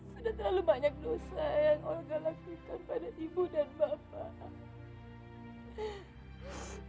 sudah terlalu banyak dosa yang oga lakukan pada ibu dan bapak